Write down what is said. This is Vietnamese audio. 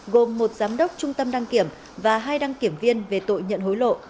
gồm một giám đốc trung tâm đăng kiểm và hai đăng kiểm viên về tội nhận hối lộ